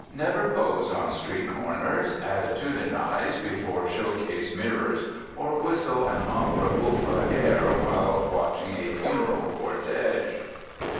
Never pose on street corners, attitudinize before show case mirrors, or whistle an opera bouffe air while watching a funeral cortege.